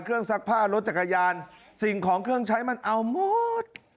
ซักผ้ารถจักรยานสิ่งของเครื่องใช้มันเอาหมด